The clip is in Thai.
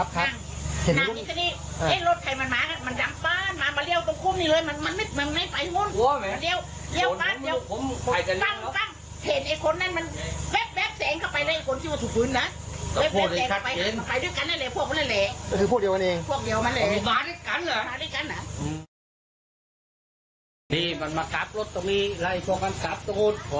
ที่มันมาขับรถตรงนี้ไล่พวกมันขับตรงนู้นพอมันขีดต่อต่างก็